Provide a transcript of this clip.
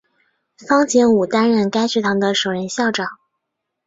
方解吾担任该学堂的首任校长。